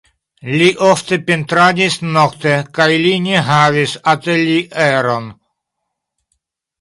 Li ofte pentradis nokte kaj li ne havis atelieron.